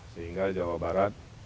sehingga jawa barat